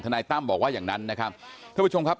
นายตั้มบอกว่าอย่างนั้นนะครับท่านผู้ชมครับ